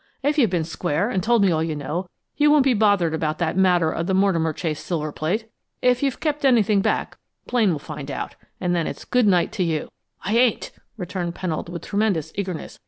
If you've been square, an' told me all you know, you won't be bothered about that matter of the Mortimer Chase silver plate. If you've kept anything back, Blaine will find it out, and then it's good night to you." "I ain't!" returned Pennold, with tremendous eagerness.